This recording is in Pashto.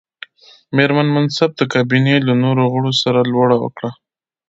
مېرمن منصف د کابینې له نورو غړو سره لوړه وکړه.